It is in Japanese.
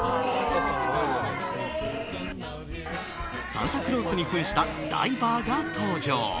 サンタクロースに扮したダイバーが登場。